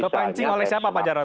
kepancing oleh siapa pak jarot